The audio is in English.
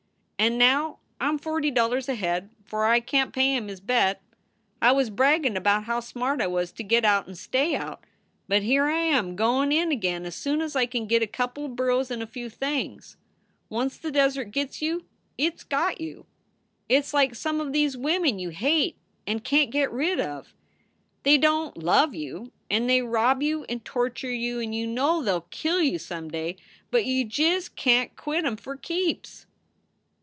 "And now I m forty dollars ahead, for I can t pay him his bet. I was braggin about how smart I was to git out and stay out. But here I am goin in again as soon as I can git a couple of burros and a few things. Once the desert gits you, it s got you. It s like some of these women you hate and can t git red of. They don t love you and they rob you and torture you and you know they ll kill you some day, but you just can t quit em for keeps."